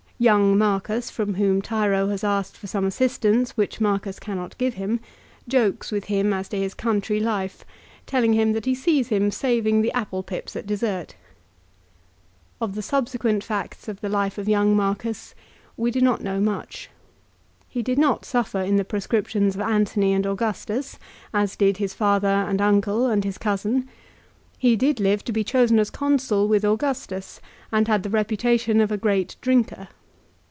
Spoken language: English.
Young Marcus, from whom Tiro has asked for some assistance which Marcus cannot give him, jokes with him as to his country life, telling him that he sees him saving the apple pips at dessert. Of the subsequent facts of the life of young Marcus we do not know much. He did not suffer in the proscriptions of Antony and Augustus, as did his father and uncle and his cousin. He did live to be chosen as Consul with Augustus, and had the reputation of a great drinker.